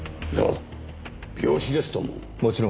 いや病死ですとも。